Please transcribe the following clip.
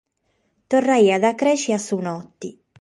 Torraiat a crèschere a su note.